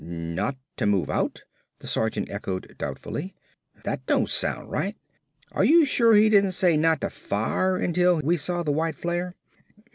"Not to move out?" the sergeant echoed doubtfully. "That don't sound right. Are ya sure he didn't say not ta fire until we saw the white flare?"